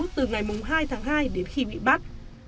từ ngày hai tháng hai đến khi bị bắt